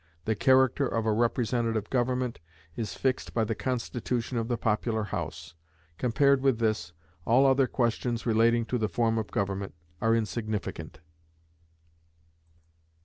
The character of a representative government is fixed by the constitution of the popular House. Compared with this, all other questions relating to the form of government are insignificant.